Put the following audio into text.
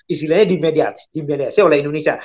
istilahnya dimediasi oleh indonesia